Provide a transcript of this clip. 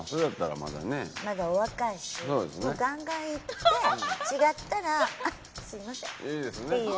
まだお若いしもうガンガンいって違ったら「あっすみません」っていう。